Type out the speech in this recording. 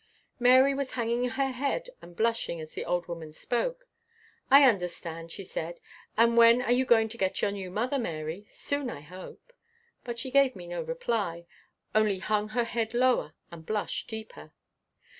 Mary was hanging her head and blushing, as the old woman spoke. "I understand," I said. "And when are you going to get your new mother, Mary? Soon I hope." But she gave me no reply only hung her head lower and blushed deeper.